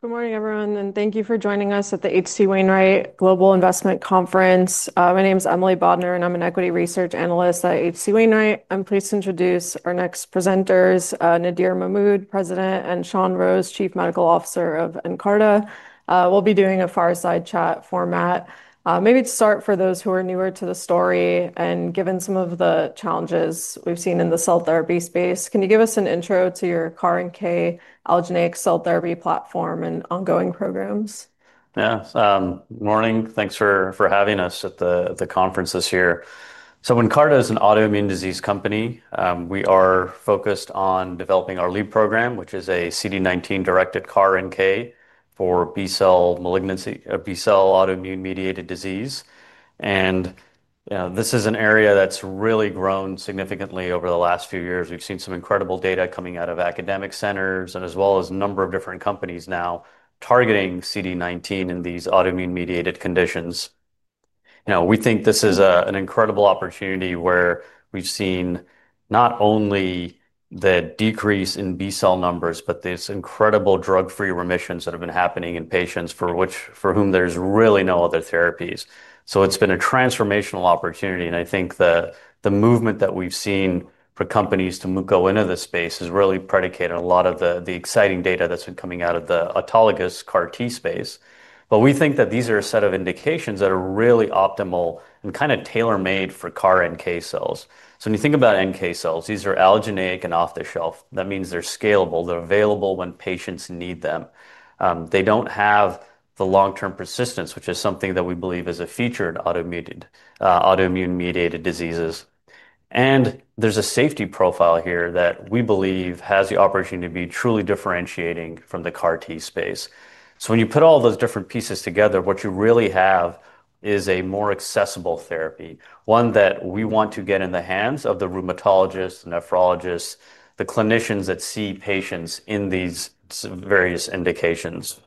Good morning, everyone, and thank you for joining us at the H.C. Wainwright Global Investment Conference. My name is Emily Bodnar, and I'm an Equity Research Analyst at H.C. Wainwright. I'm pleased to introduce our next presenters, Nadir Mahmood, President, and Sean Rose, Chief Medical Officer of Nkarta. We'll be doing a fireside chat format. Maybe to start, for those who are newer to the story and given some of the challenges we've seen in the cell therapy space, can you give us an intro to your CAR-NK allogeneic cell therapy platform and ongoing programs? Yeah, so morning, thanks for having us at the conference this year. Nkarta is an autoimmune disease company. We are focused on developing our LEAP program, which is a CD19-directed CAR-NK for B-cell malignancy, B-cell autoimmune-mediated disease. This is an area that's really grown significantly over the last few years. We've seen some incredible data coming out of academic centers as well as a number of different companies now targeting CD19 in these autoimmune-mediated conditions. We think this is an incredible opportunity where we've seen not only the decrease in B-cell numbers, but these incredible drug-free remissions that have been happening in patients for whom there's really no other therapies. It's been a transformational opportunity, and I think the movement that we've seen for companies to move into this space is really predicated on a lot of the exciting data that's been coming out of the autologous CAR-T space. We think that these are a set of indications that are really optimal and kind of tailor-made for CAR-NK cells. When you think about NK cells, these are allogeneic and off-the-shelf. That means they're scalable. They're available when patients need them. They don't have the long-term persistence, which is something that we believe is a feature of autoimmune-mediated diseases. There's a safety profile here that we believe has the opportunity to be truly differentiating from the CAR-T space. When you put all those different pieces together, what you really have is a more accessible therapy, one that we want to get in the hands of the rheumatologists, the nephrologists, the clinicians that see patients in these various indications.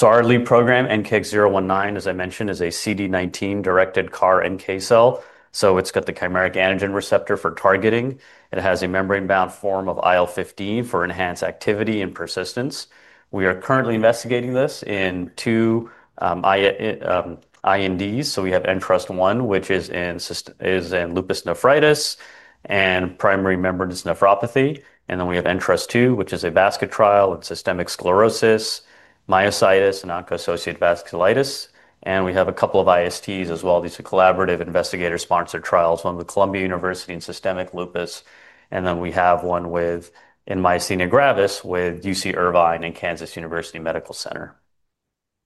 Our LEAP program, NK-019, as I mentioned, is a CD19-directed CAR-NK cell. It's got the chimeric antigen receptor for targeting. It has a membrane-bound form of IL-15 for enhanced activity and persistence. We are currently investigating this in two INDs. We have Ntrust-1, which is in lupus nephritis and primary membranous nephropathy. We have Ntrust-2, which is a basket trial with systemic sclerosis, myositis, and oncoassociated vasculitis. We have a couple of ISTs as well. These are collaborative investigator-sponsored trials, one with Columbia University in systemic lupus, and then we have one with myasthenia gravis with UC Irvine and Kansas University Medical Center.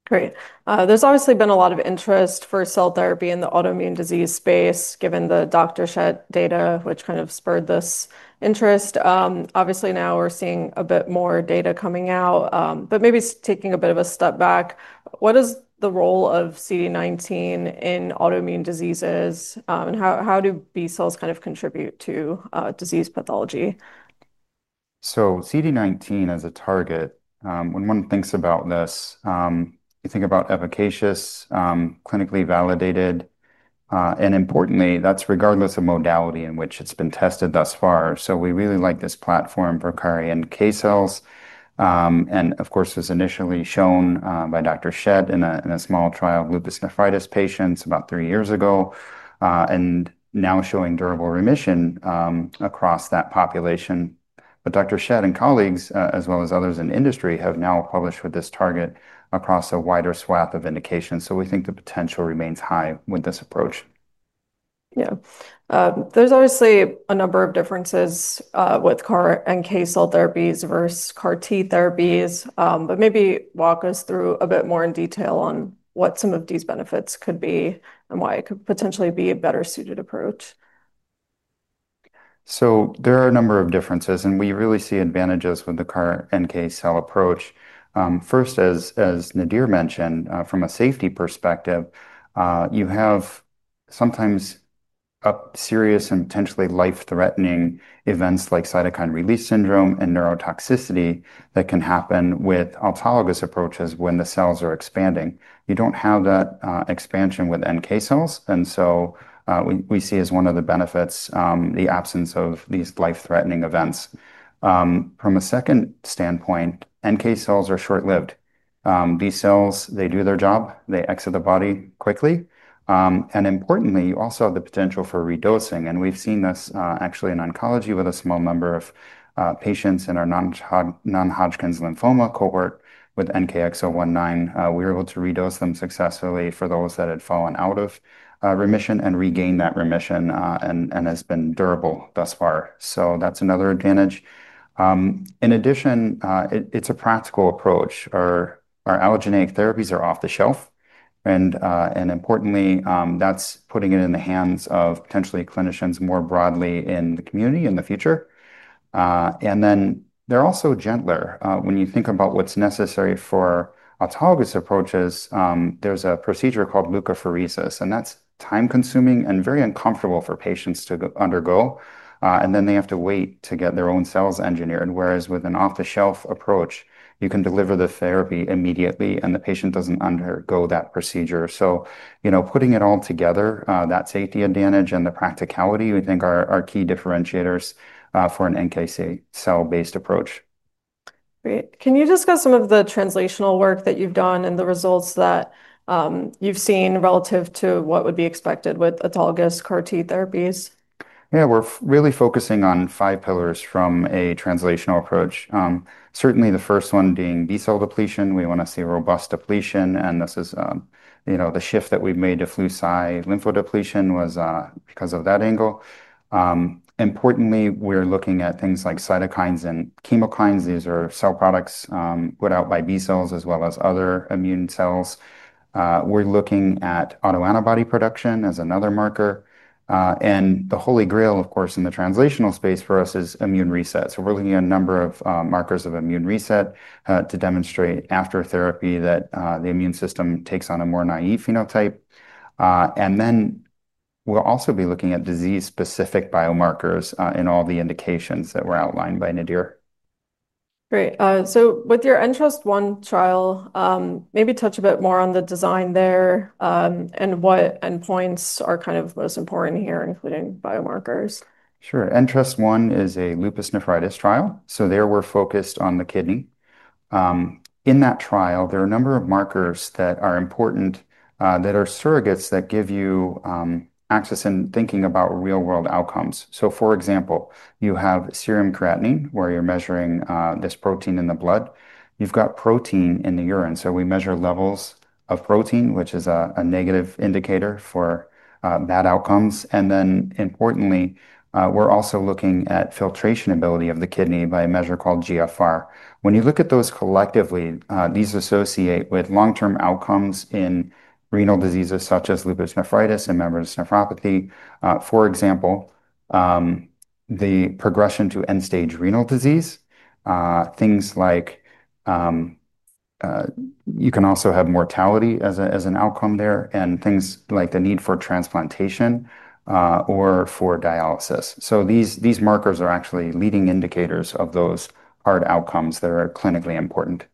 Great. There's obviously been a lot of interest for cell therapy in the autoimmune disease space, given the Dr. Schett data, which kind of spurred this interest. Obviously, now we're seeing a bit more data coming out. Maybe taking a bit of a step back, what is the role of CD19 in autoimmune diseases? How do B-cells kind of contribute to disease pathology? CD19 as a target, when one thinks about this, you think about efficacious, clinically validated, and importantly, that's regardless of modality in which it's been tested thus far. We really like this platform for CAR-NK cells. It was initially shown by Dr. Schett in a small trial of lupus nephritis patients about three years ago, and now showing durable remission across that population. Dr. Schett and colleagues, as well as others in industry, have now published with this target across a wider swath of indications. We think the potential remains high with this approach. Yeah, there's obviously a number of differences with CAR-NK cell therapies versus CAR-T therapies, but maybe walk us through a bit more in detail on what some of these benefits could be and why it could potentially be a better suited approach. There are a number of differences, and we really see advantages with the CAR-NK cell approach. First, as Nadir mentioned, from a safety perspective, you have sometimes serious and potentially life-threatening events like cytokine release syndrome and neurotoxicity that can happen with autologous approaches when the cells are expanding. You don't have that expansion with NK cells. We see as one of the benefits the absence of these life-threatening events. From a second standpoint, NK cells are short-lived. These cells do their job and exit the body quickly. Importantly, you also have the potential for re-dosing. We've seen this actually in oncology with a small number of patients in our non-Hodgkin's lymphoma cohort with NKX019. We were able to re-dose them successfully for those that had fallen out of remission and regained that remission, and it has been durable thus far. That's another advantage. In addition, it's a practical approach. Our allogeneic therapies are off-the-shelf. Importantly, that's putting it in the hands of potentially clinicians more broadly in the community in the future. They're also gentler. When you think about what's necessary for autologous approaches, there's a procedure called leukapheresis, and that's time-consuming and very uncomfortable for patients to undergo. They have to wait to get their own cells engineered, whereas with an off-the-shelf approach, you can deliver the therapy immediately, and the patient doesn't undergo that procedure. Putting it all together, that safety advantage and the practicality, we think, are key differentiators for an NK cell-based approach. Great. Can you discuss some of the translational work that you've done and the results that you've seen relative to what would be expected with autologous CAR-T therapies? Yeah, we're really focusing on five pillars from a translational approach. Certainly, the first one being B-cell depletion. We want to see robust depletion. This is, you know, the shift that we've made to Flu-Cy lymphodepletion was because of that angle. Importantly, we're looking at things like cytokines and chemokines. These are cell products put out by B-cells as well as other immune cells. We're looking at autoantibody production as another marker. The holy grail, of course, in the translational space for us is immune reset. We're looking at a number of markers of immune reset to demonstrate after therapy that the immune system takes on a more naive phenotype. We'll also be looking at disease-specific biomarkers in all the indications that were outlined by Nadir. Great. With your Ntrust-1 trial, maybe touch a bit more on the design there and what endpoints are kind of most important here, including biomarkers. Sure. Ntrust-1 is a lupus nephritis trial. There we're focused on the kidney. In that trial, there are a number of markers that are important that are surrogates that give you access in thinking about real-world outcomes. For example, you have serum creatinine where you're measuring this protein in the blood. You've got protein in the urine. We measure levels of protein, which is a negative indicator for bad outcomes. Importantly, we're also looking at filtration ability of the kidney by a measure called GFR. When you look at those collectively, these associate with long-term outcomes in renal diseases such as lupus nephritis and primary membranous nephropathy. For example, the progression to end-stage renal disease, you can also have mortality as an outcome there, and things like the need for transplantation or for dialysis. These markers are actually leading indicators of those hard outcomes that are clinically important.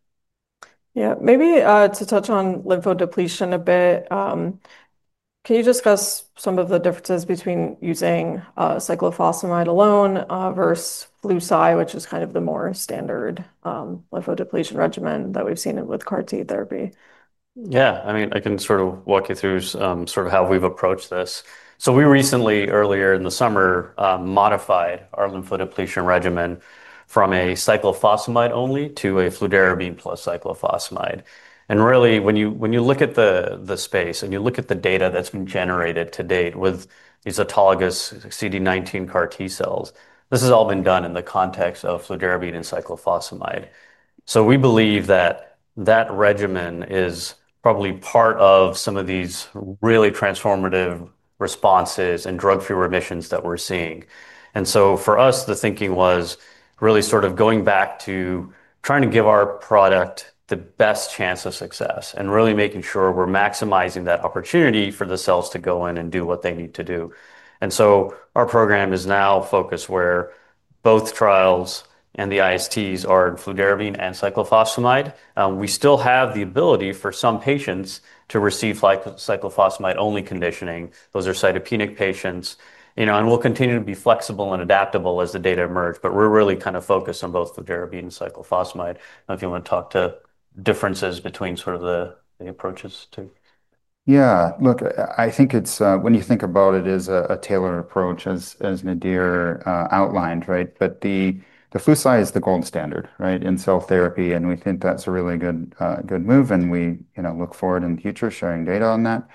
Yeah, maybe to touch on lymphodepletion a bit, can you discuss some of the differences between using cyclophosphamide alone versus Flu-Cy, which is kind of the more standard lymphodepletion regimen that we've seen with CAR-T therapy? Yeah, I mean, I can sort of walk you through how we've approached this. We recently, earlier in the summer, modified our lymphodepletion regimen from a cyclophosphamide only to a fludarabine plus cyclophosphamide. When you look at the space and you look at the data that's been generated to date with these autologous CD19 CAR-T cells, this has all been done in the context of fludarabine and cyclophosphamide. We believe that that regimen is probably part of some of these really transformative responses and drug-free remissions that we're seeing. For us, the thinking was really going back to trying to give our product the best chance of success and really making sure we're maximizing that opportunity for the cells to go in and do what they need to do. Our program is now focused where both trials and the ISTs are in fludarabine and cyclophosphamide. We still have the ability for some patients to receive cyclophosphamide-only conditioning. Those are cytopenic patients, and we'll continue to be flexible and adaptable as the data emerge. We're really kind of focused on both fludarabine and cyclophosphamide. I don't know if you want to talk to differences between the approaches too. Yeah, look, I think it's when you think about it as a tailored approach, as Nadir outlined, right? The Flu-Cy is the gold standard in cell therapy. We think that's a really good move, and we look forward in the future to sharing data on that.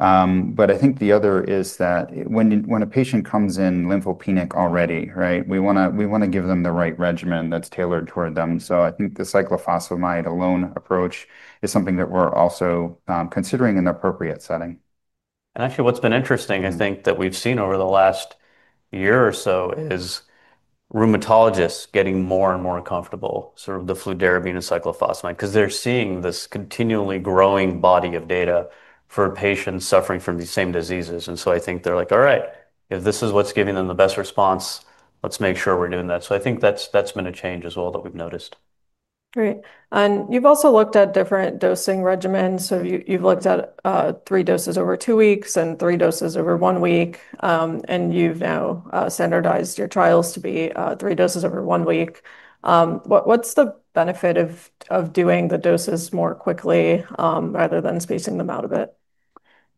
I think the other is that when a patient comes in lymphopenic already, we want to give them the right regimen that's tailored toward them. The cyclophosphamide alone approach is something that we're also considering in the appropriate setting. Actually, what's been interesting, I think, that we've seen over the last year or so is rheumatologists getting more and more comfortable with the fludarabine and cyclophosphamide because they're seeing this continually growing body of data for patients suffering from these same diseases. I think they're like, all right, if this is what's giving them the best response, let's make sure we're doing that. I think that's been a change as well that we've noticed. Great. You've also looked at different dosing regimens. You've looked at three doses over two weeks and three doses over one week. You've now standardized your trials to be three doses over one week. What's the benefit of doing the doses more quickly rather than spacing them out a bit?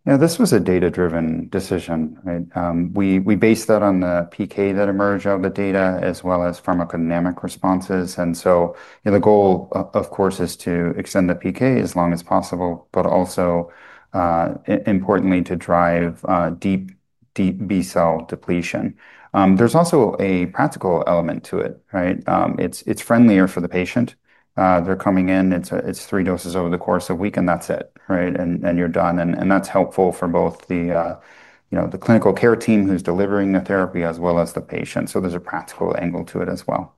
Yeah, this was a data-driven decision. I mean, we based that on the PK that emerged out of the data as well as pharmacodynamic responses. The goal, of course, is to extend the PK as long as possible, but also importantly to drive deep B-cell depletion. There's also a practical element to it, right? It's friendlier for the patient. They're coming in, it's three doses over the course of a week, and that's it, right? You're done. That's helpful for both the clinical care team who's delivering the therapy as well as the patient. There's a practical angle to it as well.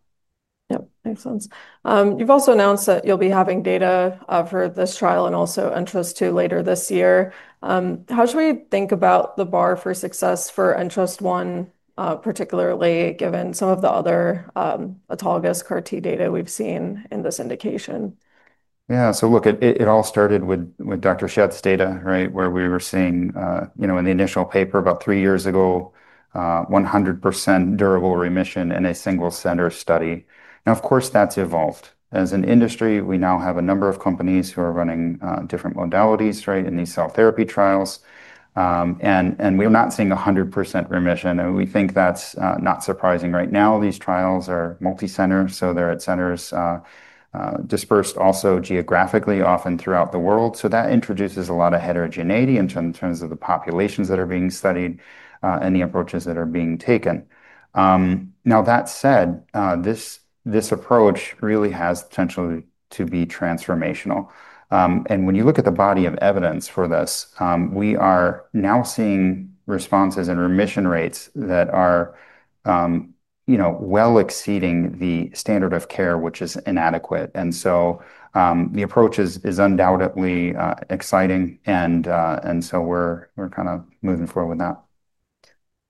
Yep, makes sense. You've also announced that you'll be having data for this trial and also Ntrust-2 later this year. How should we think about the bar for success for Ntrust-1, particularly given some of the other autologous CAR-T data we've seen in this indication? Yeah, so look, it all started with Dr. Schett's data, right, where we were seeing, you know, in the initial paper about three years ago, 100% durable remission in a single center study. Now, of course, that's evolved. As an industry, we now have a number of companies who are running different modalities, right, in these cell therapy trials. We're not seeing 100% remission. We think that's not surprising right now. These trials are multi-centered. They're at centers dispersed also geographically often throughout the world. That introduces a lot of heterogeneity in terms of the populations that are being studied and the approaches that are being taken. That said, this approach really has potential to be transformational. When you look at the body of evidence for this, we are now seeing responses and remission rates that are, you know, well exceeding the standard of care, which is inadequate. The approach is undoubtedly exciting. We're kind of moving forward with that.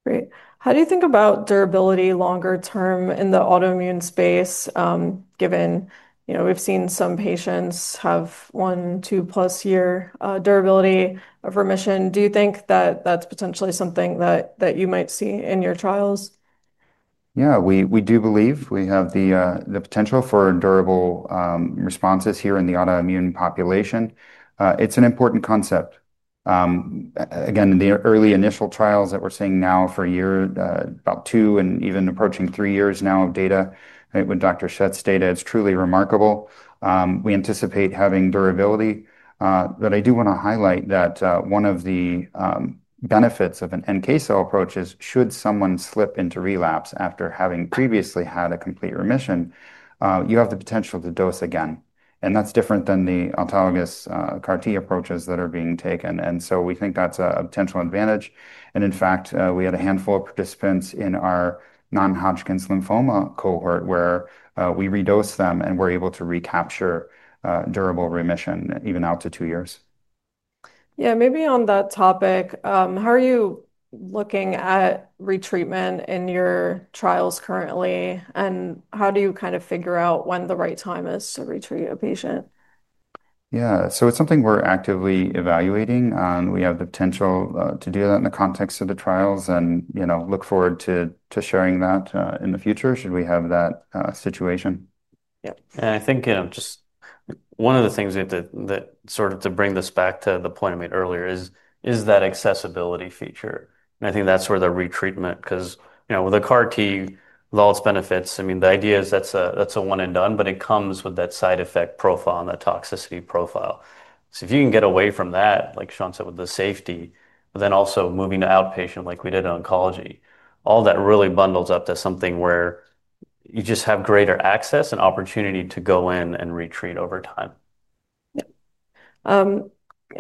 Great. How do you think about durability longer-term in the autoimmune space, given we've seen some patients have one, two plus year durability of remission? Do you think that that's potentially something that you might see in your trials? Yeah, we do believe we have the potential for durable responses here in the autoimmune population. It's an important concept. Again, in the early initial trials that we're seeing now for a year, about two, and even approaching three years now of data with Dr. Schett's data, it's truly remarkable. We anticipate having durability. I do want to highlight that one of the benefits of an NK cell approach is should someone slip into relapse after having previously had a complete remission, you have the potential to dose again. That's different than the autologous CAR-T approaches that are being taken. We think that's a potential advantage. In fact, we had a handful of participants in our non-Hodgkin's lymphoma cohort where we re-dosed them and were able to recapture durable remission even out to two years. Maybe on that topic, how are you looking at retreatment in your trials currently? How do you kind of figure out when the right time is to retreat a patient? Yeah, so it's something we're actively evaluating. We have the potential to do that in the context of the trials and look forward to sharing that in the future should we have that situation. I think just one of the things that sort of brings this back to the point I made earlier is that accessibility feature. I think that's where the retreatment, because with the CAR-T, with all its benefits, the idea is that's a one and done, but it comes with that side effect profile and that toxicity profile. If you can get away from that, like Sean said, with the safety, but then also moving to outpatient like we did in oncology, all that really bundles up to something where you just have greater access and opportunity to go in and retreat over time.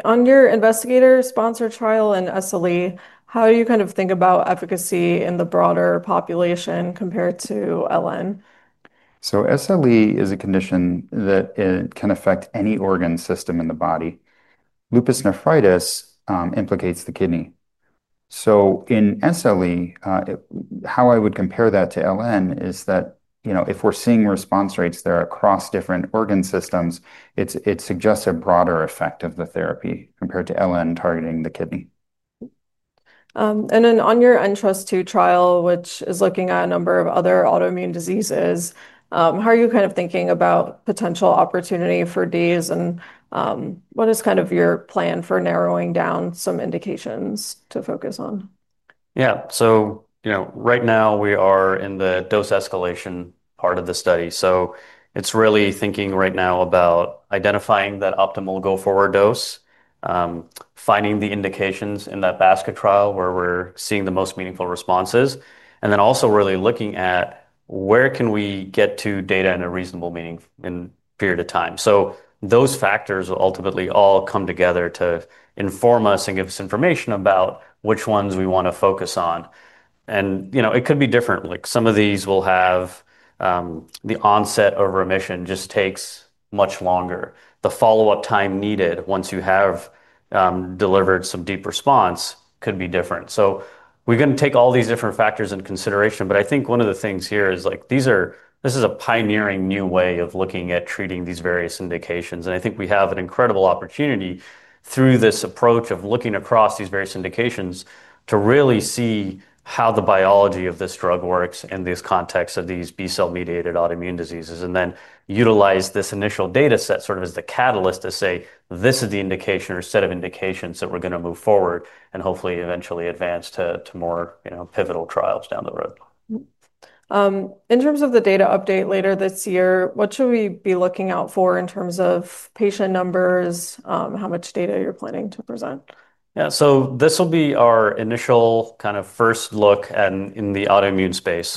On your investigator-sponsored trial in SLE, how do you kind of think about efficacy in the broader population compared to LN? SLE is a condition that can affect any organ system in the body. Lupus nephritis implicates the kidney. In SLE, how I would compare that to LN is that, you know, if we're seeing response rates there across different organ systems, it suggests a broader effect of the therapy compared to LN targeting the kidney. On your Ntrust-2 trial, which is looking at a number of other autoimmune diseases, how are you kind of thinking about potential opportunity for DIS? What is kind of your plan for narrowing down some indications to focus on? Yeah, right now we are in the dose escalation part of the study. It's really thinking right now about identifying that optimal go-forward dose, finding the indications in that basket trial where we're seeing the most meaningful responses, and then also really looking at where we can get to data in a reasonable period of time. Those factors will ultimately all come together to inform us and give us information about which ones we want to focus on. It could be different, like some of these will have the onset of remission that just takes much longer. The follow-up time needed once you have delivered some deep response could be different. We're going to take all these different factors into consideration. I think one of the things here is these are, this is a pioneering new way of looking at treating these various indications. I think we have an incredible opportunity through this approach of looking across these various indications to really see how the biology of this drug works in this context of these B-cell-mediated autoimmune diseases and then utilize this initial data set as the catalyst to say this is the indication or set of indications that we're going to move forward and hopefully eventually advance to more pivotal trials down the road. In terms of the data update later this year, what should we be looking out for in terms of patient numbers, how much data you're planning to present? Yeah, so this will be our initial kind of first look in the autoimmune space.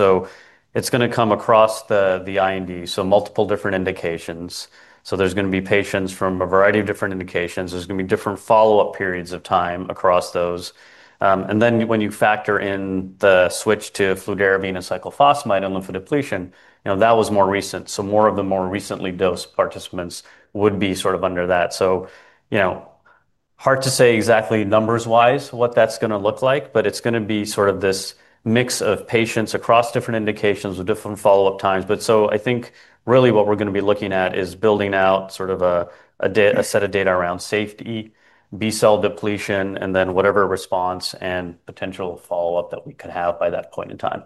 It's going to come across the IND, so multiple different indications. There's going to be patients from a variety of different indications. There's going to be different follow-up periods of time across those. When you factor in the switch to fludarabine and cyclophosphamide on lymphodepletion, that was more recent. More of the more recently dosed participants would be sort of under that. It's hard to say exactly numbers-wise what that's going to look like, but it's going to be sort of this mix of patients across different indications with different follow-up times. I think really what we're going to be looking at is building out sort of a set of data around safety, B-cell depletion, and then whatever response and potential follow-up that we could have by that point in time.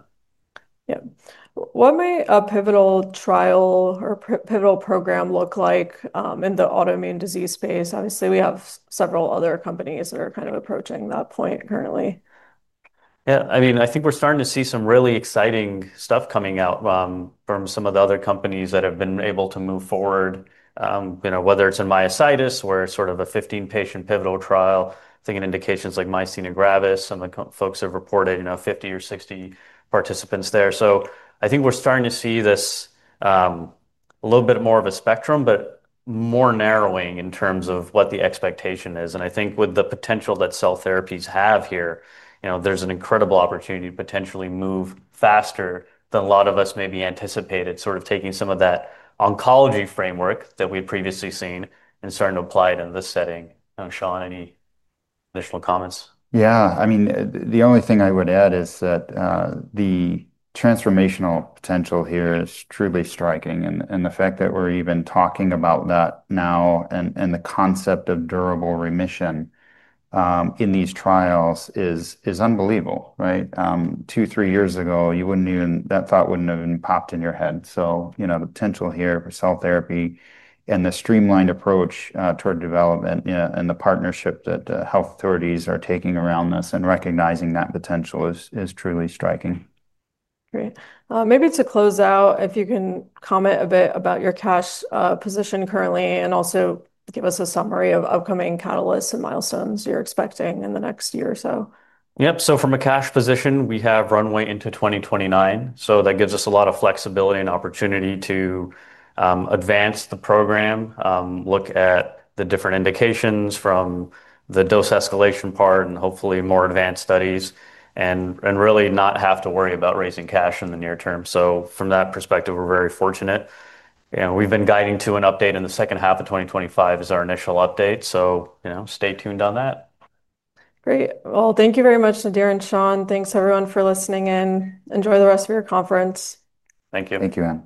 What might a pivotal trial or pivotal program look like in the autoimmune disease space? Obviously, we have several other companies that are kind of approaching that point currently. Yeah, I mean, I think we're starting to see some really exciting stuff coming out from some of the other companies that have been able to move forward, whether it's in myositis or sort of a 15-patient pivotal trial. I think in indications like myasthenia gravis, some folks have reported 50 or 60 participants there. I think we're starting to see this a little bit more of a spectrum, but more narrowing in terms of what the expectation is. I think with the potential that cell therapies have here, there's an incredible opportunity to potentially move faster than a lot of us maybe anticipated, sort of taking some of that oncology framework that we'd previously seen and starting to apply it in this setting. Sean, any additional comments? Yeah, I mean, the only thing I would add is that the transformational potential here is truly striking. The fact that we're even talking about that now and the concept of durable remission in these trials is unbelievable, right? Two, three years ago, you wouldn't even, that thought wouldn't have even popped in your head. The potential here for cell therapy and the streamlined approach toward development and the partnership that health authorities are taking around this and recognizing that potential is truly striking. Great. Maybe to close out, if you can comment a bit about your cash position currently and also give us a summary of upcoming catalysts and milestones you're expecting in the next year or so. Yep, from a cash position, we have runway into 2029. That gives us a lot of flexibility and opportunity to advance the program, look at the different indications from the dose escalation part and hopefully more advanced studies, and really not have to worry about raising cash in the near term. From that perspective, we're very fortunate. We've been guiding to an update in the second half of 2025 as our initial update, so stay tuned on that. Great. Thank you very much, Nadir and Sean. Thanks everyone for listening in. Enjoy the rest of your conference. Thank you. Thank you, Emily.